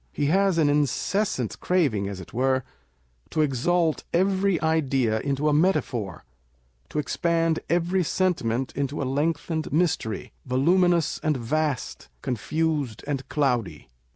He has an incessant craving, as it were, to exalt every idea into a metaphor, to expand every sentiment into a lengthened mystery, voluminous and vast, confused and cloudy.